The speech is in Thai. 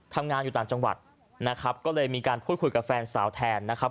ทำงานอยู่ต่างจังหวัดนะครับก็เลยมีการพูดคุยกับแฟนสาวแทนนะครับ